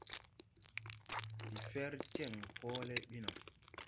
Ndi fer jeŋ hoole ɓi no.